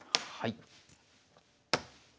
はい。